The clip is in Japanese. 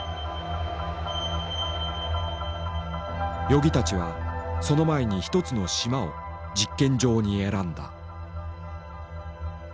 与儀たちはその前に１つの島を実験場に選んだ。